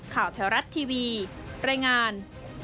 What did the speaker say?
ข่าวแถวรัฐทีวีแรงงาน